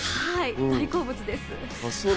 大好物です。